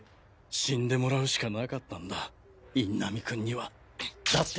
死んでもらうしかなかったんだ印南君には。だって。